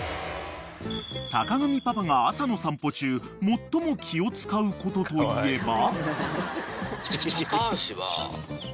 ［坂上パパが朝の散歩中最も気を使うことといえば］